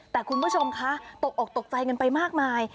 แต่คุณผู้ชมคะตกออกตกใจกันไปมากมาย